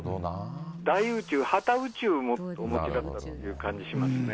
大宇宙、畑宇宙をお持ちだったという感じしますね。